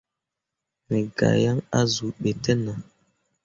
Me gah yaŋ azuu ɓe te nah.